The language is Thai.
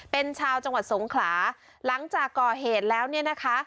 เป็นชาวจังหวัดสงขลาหลังจากก่อเหตุแล้วเนี่ยนะคะ